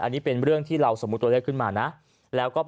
อันนี้เป็นเรื่องที่เราสมมุติตัวเลขขึ้นมานะ